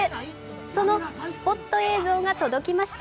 そのスポット映像が届きました。